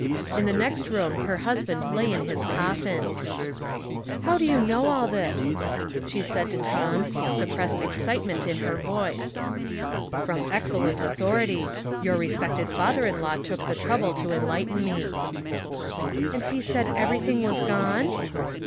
In the next room her husband lay in his coffin. "How do you know all this?" she said to Tom, suppressed excitement in her voice. " From excellent authority ; your respected father in law took the trouble to enlighten me.'* " And he said everything whs gone